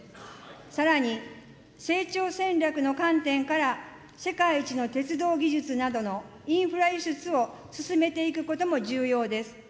さらに、成長戦略の観点から世界一の鉄道技術などのインフラ輸出を進めていくことも重要です。